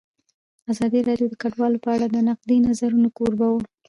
ازادي راډیو د کډوال په اړه د نقدي نظرونو کوربه وه.